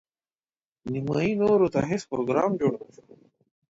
نیمايي نورو ته هیڅ پروګرام جوړ نه شو.